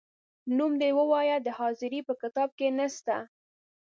نوم دي ووایه د حاضرۍ په کتاب کې نه سته ،